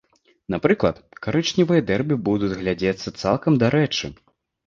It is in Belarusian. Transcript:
Напрыклад, карычневыя дэрбі будуць глядзецца цалкам дарэчы.